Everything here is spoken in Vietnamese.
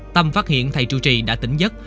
tâm phát hiện thầy trụ trì đã tỉnh giấc